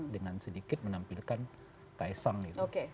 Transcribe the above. dengan sedikit menampilkan kaisang gitu